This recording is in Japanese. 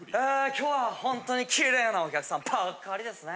今日はホントにキレイなお客さんばっかりですね。